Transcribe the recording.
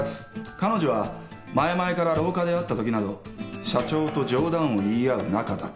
彼女は前々から廊下で会ったときなど社長と冗談を言い合う仲だった。